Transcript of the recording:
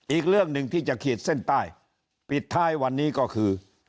อีกเรื่องหนึ่งที่จะขีดเส้นใต้ปิดท้ายวันนี้ก็คือ